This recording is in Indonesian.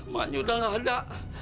maknya udah gak ada